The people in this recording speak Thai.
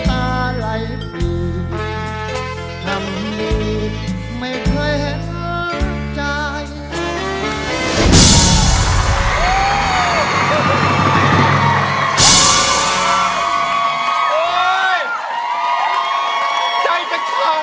ใจจังค่ะ